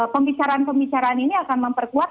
pembicaraan pembicaraan ini akan memperkuat